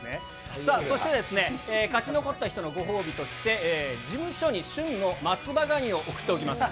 さあ、そして勝ち残った人のご褒美として、事務所に旬の松葉ガニを送っておきます。